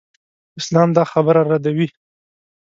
اسلام دا خبره ردوي.